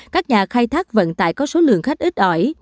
các nhà khai thác vận tải có số lượng khách ít ỏi